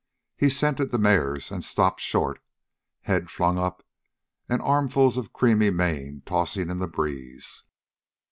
He scented the mares and stopped short, head flung up and armfuls of creamy mane tossing in the breeze.